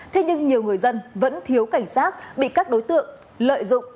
thế nhưng nhiều người dân vẫn thiếu cảnh sát bị các đối tượng lợi dụng